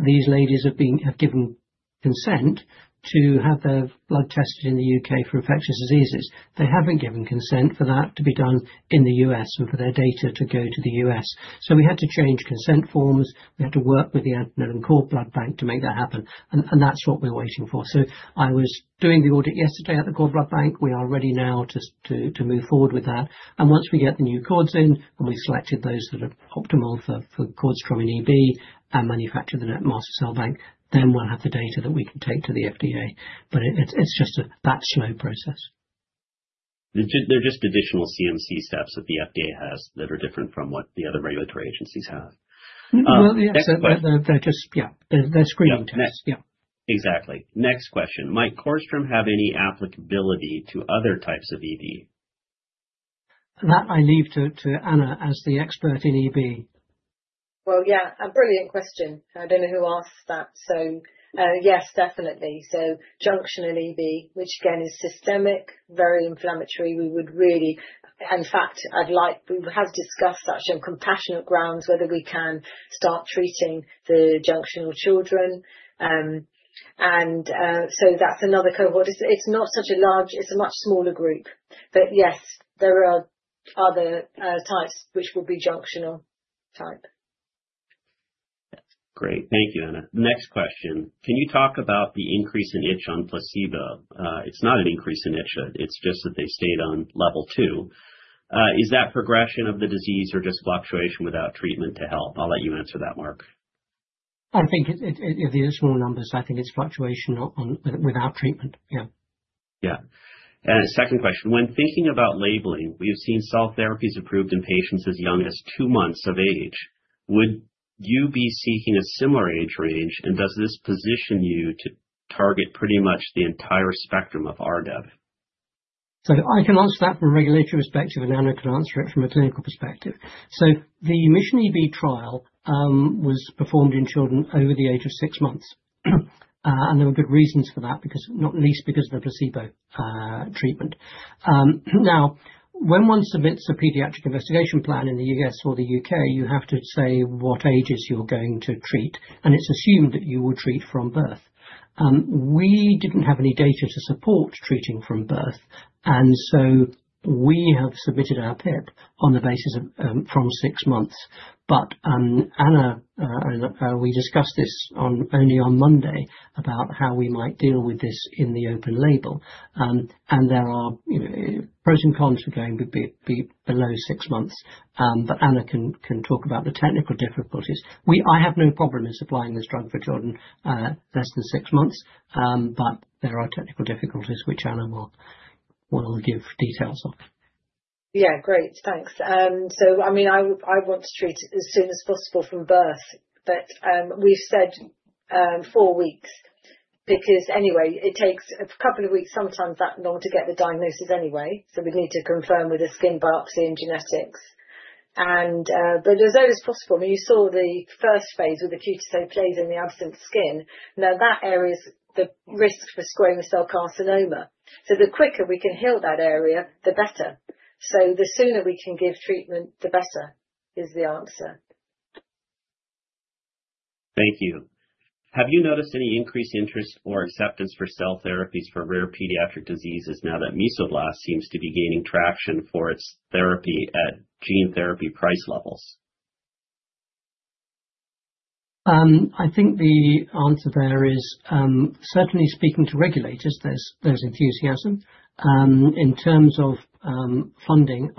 these ladies have given consent to have their blood tested in the U.K. for infectious diseases. They haven't given consent for that to be done in the U.S. or for their data to go to the U.S. We had to change consent forms. We had to work with the umbilical cord blood bank to make that happen, and that's what we're waiting for. I was doing the audit yesterday at the cord blood bank. We are ready now to move forward with that. Once we get the new cords in, and we've selected those that are optimal for cords from an EB, and manufacture the net Master Cell Bank, then we'll have the data that we can take to the FDA. It's just a that slow process. They're just additional CMC steps that the FDA has that are different from what the other regulatory agencies have. Well, yes. Next question. They're just. Yeah. They're screening tests. Yeah. Yeah. Exactly. Next question: Might CORDStrom have any applicability to other types of EB? That I leave to Anna as the expert in EB. Yeah, a brilliant question. I don't know who asked that. Yes, definitely. Junctional EB, which again, is systemic, very inflammatory, we would really. In fact, we have discussed on compassionate grounds, whether we can start treating the junctional children. That's another cohort. It's not such a large. It's a much smaller group. Yes, there are other types, which will be junctional type. Great. Thank you, Anna. Next question: Can you talk about the increase in itch on placebo? It's not an increase in itch, it's just that they stayed on level two. Is that progression of the disease or just fluctuation without treatment to health? I'll let you answer that, Mark. I think it, the initial numbers, I think it's fluctuation on, without treatment. Yeah. Yeah. A second question: When thinking about labeling, we have seen cell therapies approved in patients as young as two months of age. Would you be seeking a similar age range, and does this position you to target pretty much the entire spectrum of RDEB? I can answer that from a regulatory perspective, and Anna can answer it from a clinical perspective. The Mission EB trial was performed in children over the age of six months. There were good reasons for that, because not least because of the placebo treatment. Now, when one submits a Paediatric Investigation Plan in the U.S. or the U.K., you have to say what ages you're going to treat, and it's assumed that you will treat from birth. We didn't have any data to support treating from birth, we have submitted our PIP on the basis of from six months. Anna, we discussed this on, only on Monday, about how we might deal with this in the open label. There are pros and cons for going below six months. Anna can talk about the technical difficulties. I have no problem in supplying this drug for children, less than six months. There are technical difficulties, which Anna will give details of. Yeah, great. Thanks. I mean, I want to treat it as soon as possible from birth, we've said, four weeks. Because anyway, it takes a couple of weeks, sometimes that long, to get the diagnosis anyway, we'd need to confirm with a skin biopsy and genetics. As early as possible, when you saw the first phase with the keratinocytes in the absent skin, now that area is the risk for squamous cell carcinoma. The quicker we can heal that area, the better. The sooner we can give treatment, the better, is the answer. Thank you. Have you noticed any increased interest or acceptance for cell therapies for rare pediatric diseases now that Mesoblast seems to be gaining traction for its therapy at gene therapy price levels? I think the answer there is, certainly speaking to regulators, there's enthusiasm. In terms of funding,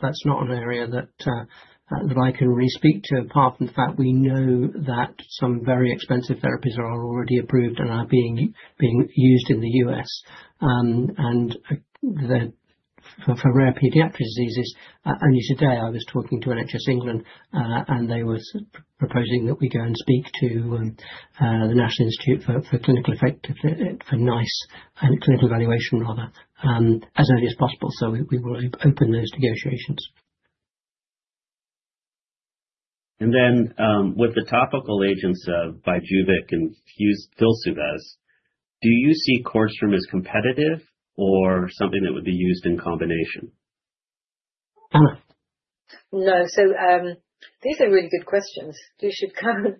that's not an area that I can really speak to, apart from the fact we know that some very expensive therapies are already approved and are being used in the U.S. For rare pediatric diseases. Only today, I was talking to NHS England, and they were proposing that we go and speak to the National Institute for Clinical Effect, for NICE and clinical evaluation, rather, as early as possible. We will open those negotiations. With the topical agents of Vyjuvek and Filsuvez, do you see CORDStrom as competitive or something that would be used in combination? No. These are really good questions. You should come.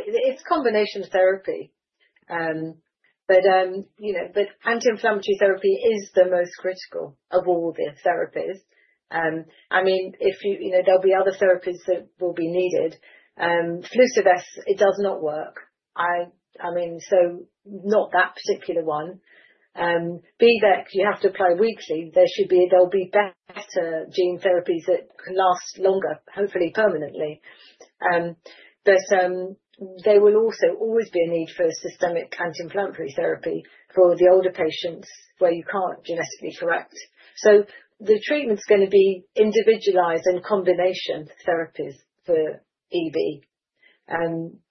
It's combination therapy. Anti-inflammatory therapy is the most critical of all the therapies. There'll be other therapies that will be needed. Filsuvez, it does not work. Not that particular one. Vyjuvek, you have to apply weekly. There'll be better gene therapies that can last longer, hopefully permanently. There will also always be a need for systemic anti-inflammatory therapy for the older patients where you can't genetically correct. The treatment's gonna be individualized and combination therapies for EB,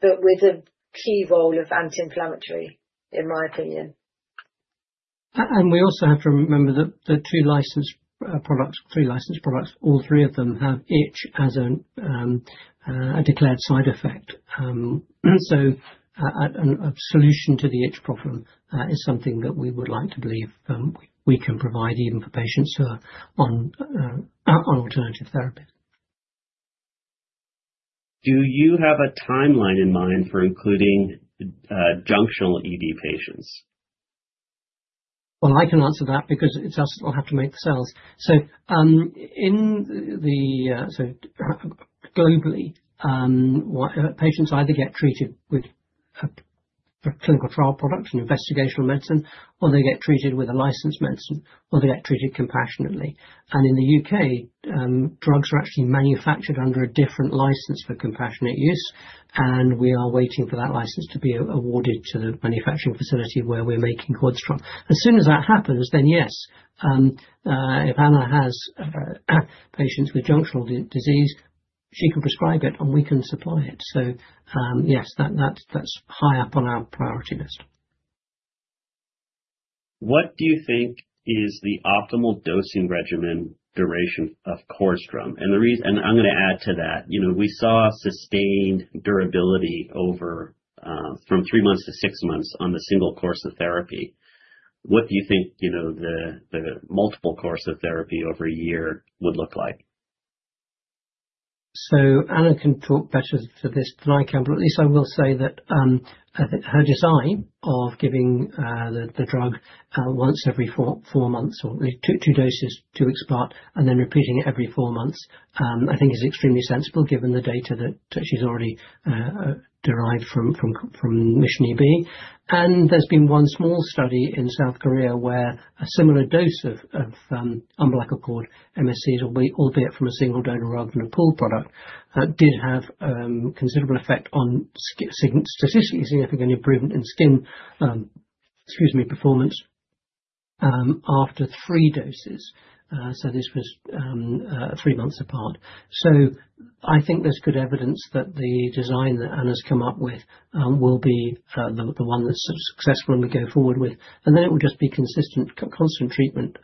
but with a key role of anti-inflammatory, in my opinion. We also have to remember that the two licensed products, three licensed products, all three of them have itch as an a declared side effect. A solution to the itch problem is something that we would like to believe we can provide even for patients who are on alternative therapies. Do you have a timeline in mind for including junctional EB patients? Well, I can answer that because it's us that will have to make the sales. Globally, patients either get treated with a clinical trial product, an investigational medicine, or they get treated with a licensed medicine, or they get treated compassionately. In the U.K., drugs are actually manufactured under a different license for compassionate use, and we are waiting for that license to be awarded to the manufacturing facility where we're making CORDStrom. As soon as that happens, yes, if Anna has patients with junctional disease, she can prescribe it, and we can supply it. Yes, that's high up on our priority list. What do you think is the optimal dosing regimen duration of CORDStrom? I'm gonna add to that. You know, we saw sustained durability over from three months to six months on the single course of therapy. What do you think, you know, the multiple course of therapy over a year would look like? Anna can talk better to this than I can, but at least I will say that her design of giving the drug once every four months, or two doses two weeks apart, and then repeating it every four months, I think is extremely sensible given the data that she's already derived from Mission EB. There's been one small study in South Korea where a similar dose of umbilical cord MSCs, albeit from a single donor rather than a pool product, did have considerable effect on significant, statistically significant improvement in skin, excuse me, performance after three doses. This was three months apart. I think there's good evidence that the design that Anna's come up with, will be the one that's successful when we go forward with. Then it will just be consistent, constant treatment,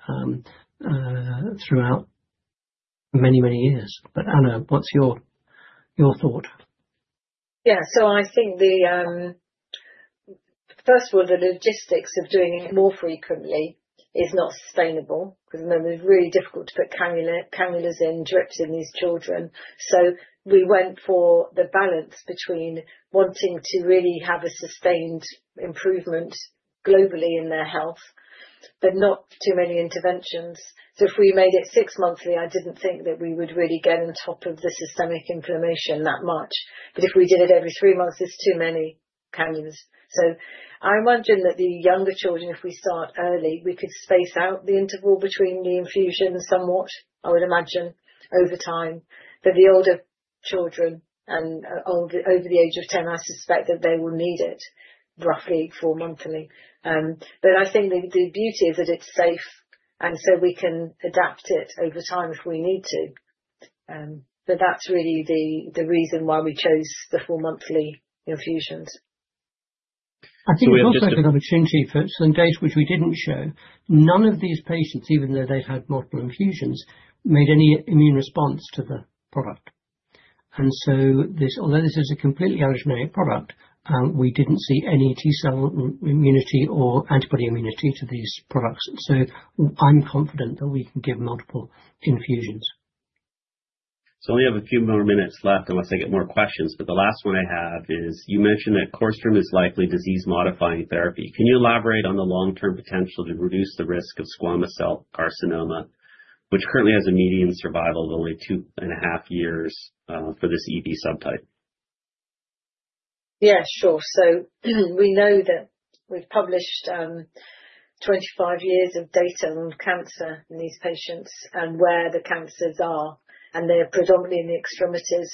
throughout many, many years. Anna, what's your thought? First of all, the logistics of doing it more frequently is not sustainable because, remember, it's really difficult to put cannula, cannulas in, drips in these children. We went for the balance between wanting to really have a sustained improvement globally in their health, but not too many interventions. If we made it six monthly, I didn't think that we would really get on top of the systemic inflammation that much. If we did it every three months, it's too many cannulas. I imagine that the younger children, if we start early, we could space out the interval between the infusions somewhat, I would imagine, over time. The older children and over the age of 10, I suspect that they will need it roughly four-monthly. I think the beauty is that it's safe, and so we can adapt it over time if we need to. That's really the reason why we chose the four-monthly infusions. I think we've also got an opportunity for some data which we didn't show. None of these patients, even though they've had multiple infusions, made any immune response to the product. Although this is a completely allogeneic product, we didn't see any T-cell immunity or antibody immunity to these products. I'm confident that we can give multiple infusions. We only have a few more minutes left, unless I get more questions. The last one I have is: You mentioned that CORDStrom is likely disease-modifying therapy. Can you elaborate on the long-term potential to reduce the risk of squamous cell carcinoma, which currently has a median survival of only two and a half years for this EB subtype? Yeah, sure. We know that we've published 25 years of data on cancer in these patients and where the cancers are, and they're predominantly in the extremities,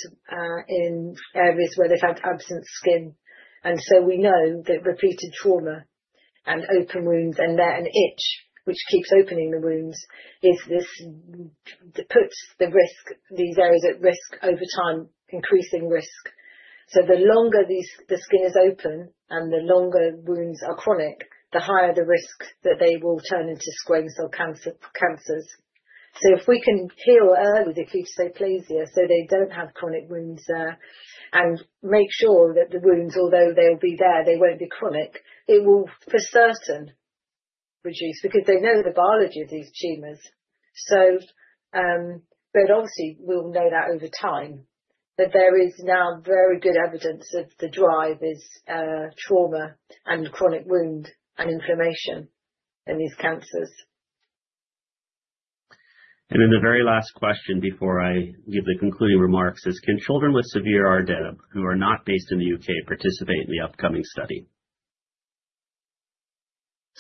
in areas where they've had absent skin. We know that repeated trauma and open wounds, and there an itch which keeps opening the wounds, puts these areas at risk over time, increasing risk. The longer the skin is open and the longer wounds are chronic, the higher the risk that they will turn into squamous cell cancers. If we can heal early, the dysplasia, so they don't have chronic wounds there, and make sure that the wounds, although they'll be there, they won't be chronic, it will for certain reduce, because they know the biology of these tumors. Obviously, we'll know that over time, that there is now very good evidence that the drive is trauma and chronic wound and inflammation in these cancers. The very last question before I give the concluding remarks is: Can children with severe RDEB, who are not based in the U.K., participate in the upcoming study?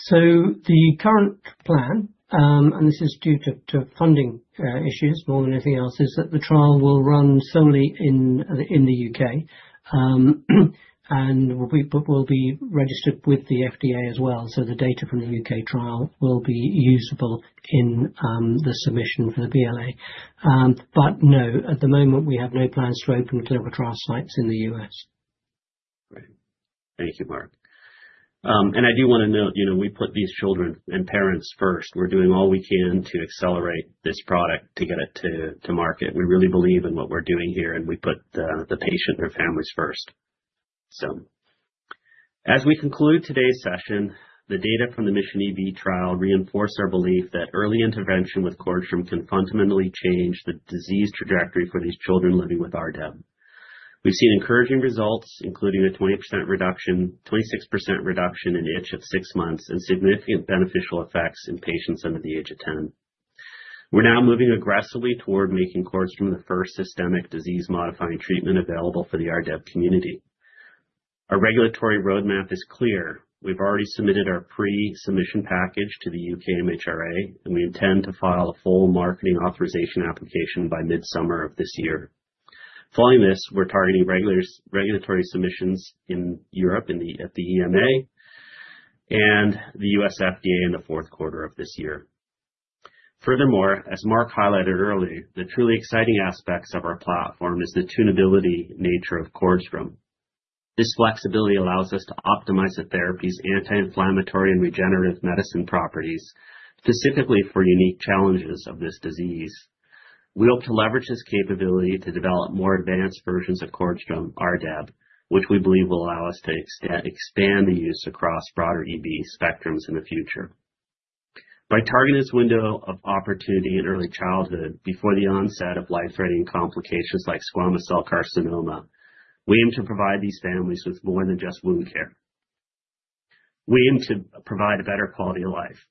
The current plan, and this is due to funding issues more than anything else, is that the trial will run solely in the U.K. But we'll be registered with the FDA as well, so the data from the U.K. trial will be usable in the submission for the BLA. No, at the moment, we have no plans to open clinical trial sites in the U.S. Great. Thank you, Mark. I do want to note, you know, we put these children and parents first. We're doing all we can to accelerate this product, to get it to market. We really believe in what we're doing here, and we put the patient, their families first. As we conclude today's session, the data from the Mission EB trial reinforce our belief that early intervention with CORDStrom can fundamentally change the disease trajectory for these children living with RDEB. We've seen encouraging results, including a 26% reduction in itch at six months, and significant beneficial effects in patients under the age of 10. We're now moving aggressively toward making CORDStrom the first systemic disease-modifying treatment available for the RDEB community. Our regulatory roadmap is clear. We've already submitted our pre-submission package to the U.K. MHRA. We intend to file a full marketing authorization application by mid-summer of this year. Following this, we're targeting regulatory submissions in Europe, at the EMA and the U.S. FDA in the fourth quarter of this year. As Mark highlighted earlier, the truly exciting aspects of our platform is the tunability nature of CORDStrom. This flexibility allows us to optimize the therapy's anti-inflammatory and regenerative medicine properties, specifically for unique challenges of this disease. We hope to leverage this capability to develop more advanced versions of CORDStrom RDEB, which we believe will allow us to expand the use across broader EB spectrums in the future. By targeting this window of opportunity in early childhood, before the onset of life-threatening complications like squamous cell carcinoma, we aim to provide these families with more than just wound care. We aim to provide a better quality of life.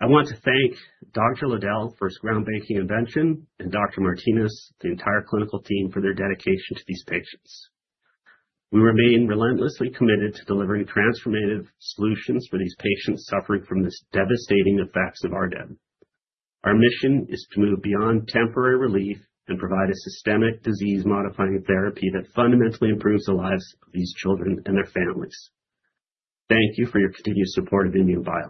I want to thank Dr. Lowdell for his groundbreaking invention, and Dr. Martinez, the entire clinical team, for their dedication to these patients. We remain relentlessly committed to delivering transformative solutions for these patients suffering from these devastating effects of RDEB. Our mission is to move beyond temporary relief and provide a systemic, disease-modifying therapy that fundamentally improves the lives of these children and their families. Thank you for your continued support of INmune Bio.